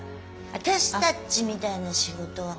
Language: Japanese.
私たちみたいな仕事は。